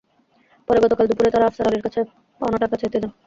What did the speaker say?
পরে গতকাল দুপুরে তাঁরা আফসার আলীর কাছে পাওনা টাকা চাইতে যান।